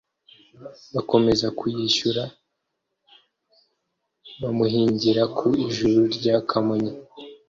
bakomeza kuyishyura bamuhingira ku ijuru rya kamonyi,